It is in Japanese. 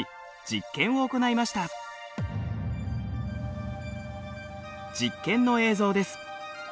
実験の映像です。